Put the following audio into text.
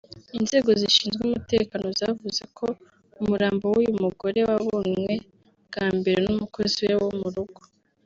Inzego zishinzwe umutekano zavuze ko umurambo w’uyu mugore wabonywe bwa mbere n’umukozi we wo mu rugo